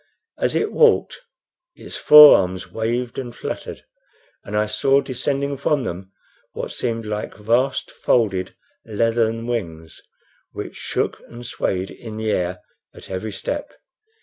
As it walked its forearms waved and fluttered, and I saw descending from them what seemed like vast folded leathern wings, which shook and swayed in the air at every step.